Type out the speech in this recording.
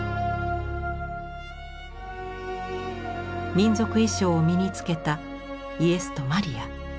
民族衣装を身につけたイエスとマリア。